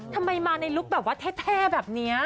ทำไมมองในแบบเข้าใจแฮะแบบนี้